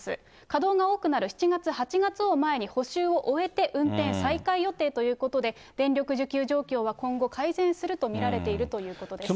稼働が多くなる７月、８月を前に、補修を終えて運転再開予定ということで、電力需給状況は今後、改善すると見られているということです。